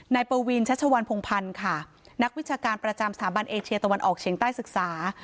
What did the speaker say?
ปวีนชัชวัลพงพันธ์ค่ะนักวิชาการประจำสถาบันเอเชียตะวันออกเฉียงใต้ศึกษา